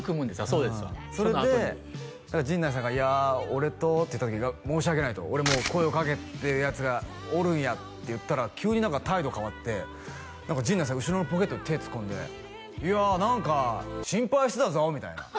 そのあとにそれで陣内さんが「いやあ俺と」って言った時「申し訳ない」と「俺もう声を掛けてるやつがおるんや」って言ったら急に態度変わって何か陣内さん後ろのポケットに手突っ込んで「いや何か心配してたぞ」みたいな